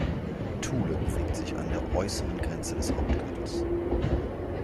Thule bewegt sich an der äußeren Grenze des Hauptgürtels.